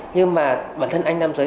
nhưng mà bản thân anh nam giới